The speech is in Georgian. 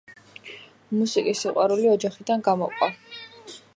მუსიკის სიყვარული ოჯახიდან გამოჰყვა.